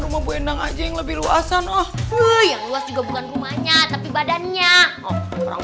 rumah bu endang aja yang lebih luasan oh yang luas juga bukan rumahnya tapi badannya orang